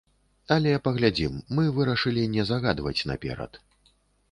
Але паглядзім, мы вырашылі не загадваць наперад.